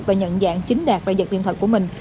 và nhận dạng chính đạt và giật điện thoại của mình